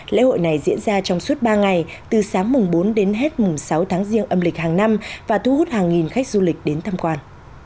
lễ hội này diễn ra trong suốt ba ngày từ sáng mùng bốn đến hết mùng sáu tháng riêng âm lịch hàng năm và thu hút hàng nghìn khách du lịch đến tham quan